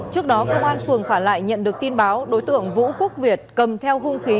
trước đó công an phường phả lại nhận được tin báo đối tượng vũ quốc việt cầm theo hung khí